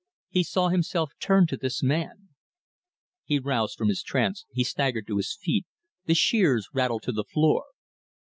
He saw himself turn to this man: He roused from his trance, he staggered to his feet, the shears rattled to the floor.